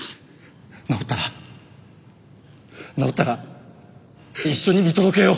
治ったら治ったら一緒に見届けよう。